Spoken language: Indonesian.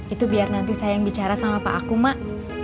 itu biar nanti saya yang bicara sama pak aku mak